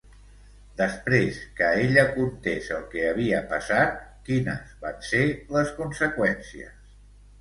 Després que ella contés el que havia passat, quines van ser les conseqüències?